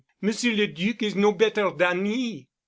"Monsieur le Duc is no better dan he.